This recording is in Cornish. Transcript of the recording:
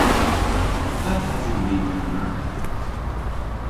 Ple'th esen ni dy'Meurth?